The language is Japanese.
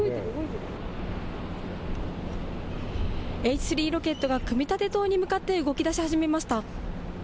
Ｈ３ロケットが組み立て棟に向かって動きだし始めました。